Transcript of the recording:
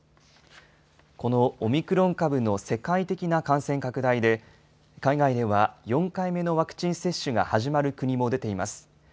このオミクロン株の世界的な感染拡大で、海外では４回目のワクチン接種が始まる国も出ています。